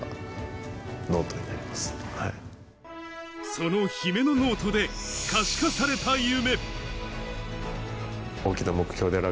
その姫野ノートで可視化された夢。